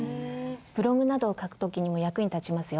ブログなどを書く時にも役に立ちますよ。